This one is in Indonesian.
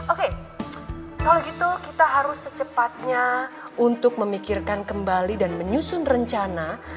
oke kalau gitu kita harus secepatnya untuk memikirkan kembali dan menyusun rencana